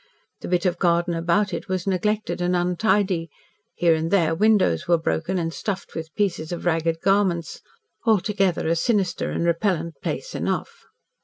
The bit of garden about it was neglected and untidy, here and there windows were broken, and stuffed with pieces of ragged garments. Altogether a sinister and repellent place enough.